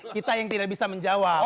kita yang tidak bisa menjawab